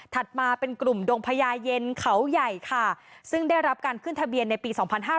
มาเป็นกลุ่มดงพญาเย็นเขาใหญ่ค่ะซึ่งได้รับการขึ้นทะเบียนในปี๒๕๕๙